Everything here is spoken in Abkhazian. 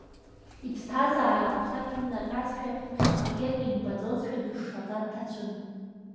Иԥсҭазаара ахәҭак имнаҟьазшәа, ԥхьаҟагьы ак имбаӡозшәа, дышшаӡа дҭацәын.